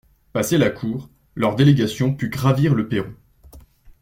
Passé la cour, leur délégation put gravir le perron.